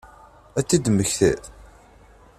Ad t-id-temmektiḍ?